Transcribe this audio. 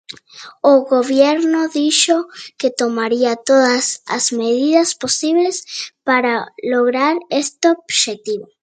El gobierno dijo que tomaría "todas las medidas posibles" para lograr este objetivo.